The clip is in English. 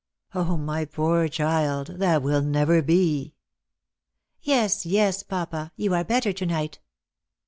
" my poor child, that will never be." " Yes, yes, papa ; you are better to night."